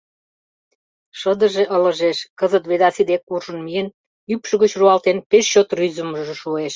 Шыдыже ылыжеш, кызыт Ведаси дек куржын миен, ӱпшӧ гыч руалтен, пеш чот рӱзымыжӧ шуэш.